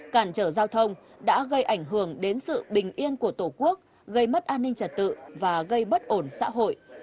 cản trở giao thông đã gây ảnh hưởng đến sự bình yên của tổ quốc gây mất an ninh trật tự và gây bất ổn xã hội